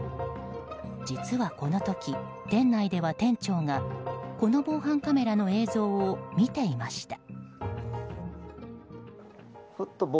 実はこの時、店内では店長がこの防犯カメラの映像を見ていました。